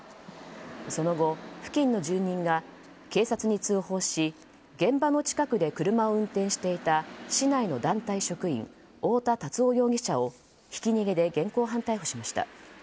その後、付近の住民が警察に通報し現場の近くで車を運転していた市内の団体職員太田辰雄容疑者をひき逃げで現行犯逮捕しました。